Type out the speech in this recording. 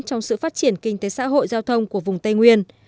trong sự phát triển kinh tế xã hội giao thông của vùng tây nguyên